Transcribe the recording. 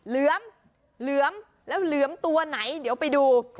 เลื้อมแล้วเลื้อมตัวไหนเดี๋ยวไปดู